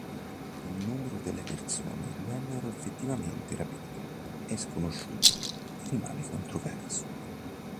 Il numero delle persone vennero effettivamente rapite è sconosciuto e rimane controverso.